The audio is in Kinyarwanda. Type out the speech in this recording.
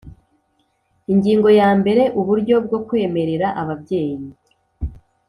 Ingingo ya mbere Uburyo bwo kwemerera ababyeyi